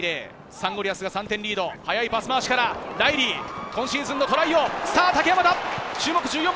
サンゴリアスが３点リード、速いパス回しからライリー、今シーズンのトライ王。